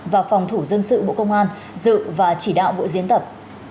và phòng thủ dân sự bộ công an dự và chỉ đạo buổi diễn tập